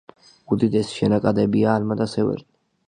უდიდესი შენაკადებია ალმა და სევერნი.